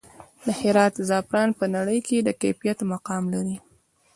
د هرات زعفران په نړۍ کې د کیفیت مقام لري